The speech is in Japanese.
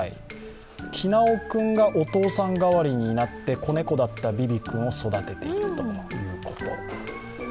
キナオ君がお父さん代わりになって子猫だったビビ君を育てているということ。